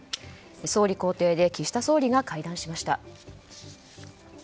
総理公邸で岸田総理が会談しました。